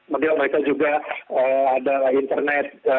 mereka juga ada internet connection atau koneksi internet ya